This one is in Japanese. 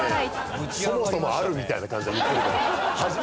そもそもあるみたいな感じで言ってるけど初めて。